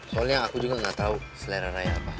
soalnya aku juga nggak tahu selera raya apa